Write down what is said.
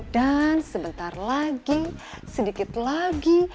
dan sebentar lagi sedikit lagi